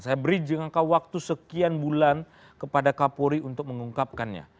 saya beri jangka waktu sekian bulan kepada kapolri untuk mengungkapkannya